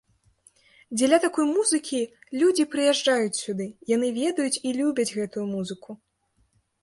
Дзеля такой музыкі людзі прыязджаюць сюды, яны ведаюць і любяць гэтую музыку.